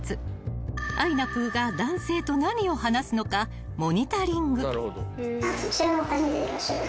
［あいなぷぅが男性と何を話すのかモニタリング］